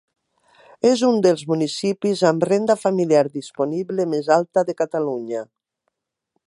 És un dels municipis amb renda familiar disponible més alta de Catalunya.